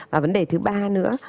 và vấn đề thứ ba nữa